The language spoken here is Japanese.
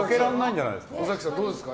尾崎さん、どうですか？